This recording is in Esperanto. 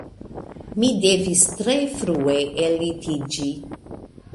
Mi devis tre frue ellitiĝi